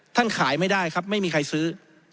ขายไม่ได้ครับไม่มีใครซื้อ